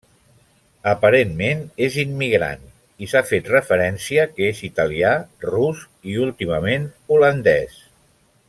Aparentment és immigrant, i s'ha fet referència que és italià, rus i, últimament, holandès.